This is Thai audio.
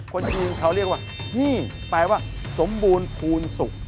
คนจีนเขาเรียกว่านี่แปลว่าสมบูรณ์ภูมิสุข